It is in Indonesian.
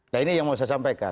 nah ini yang mau saya sampaikan